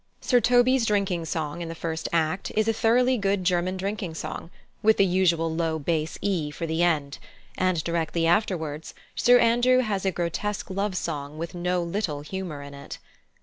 Sir Toby's drinking song in the first act is a thoroughly good German drinking song, with the usual low bass E for the end; and directly afterwards Sir Andrew has a grotesque love song with no little humour in it.